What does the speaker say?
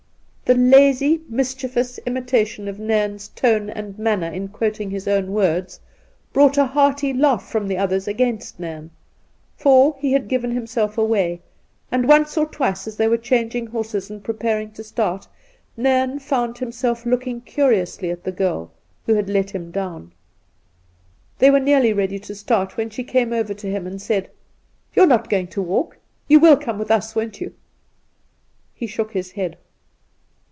The lazy, mischievous imitation of Nairn's tone and manner in quoting his own words brought a hearty laugh from the others against Nairn, for he had 'given himself away'; and once or twice as they were changing horses and preparing to start, Nairn found himself looking curiously at the girl who had ' let him down.' They were nearly ready to start when she came over to him, and said :' You are not going to walk. You will come with us, won't you ?' He shook his head.